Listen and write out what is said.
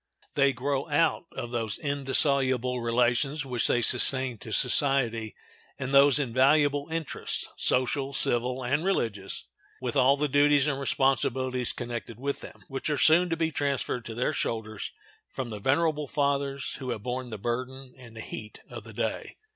They grow out of those indissoluble relations which they sustain to society, and those invaluable interests—social, civil, and religious—with all the duties and responsibilities connected with them, which are soon to be transferred to their shoulders from the venerable fathers who have borne the burden and heat of the day.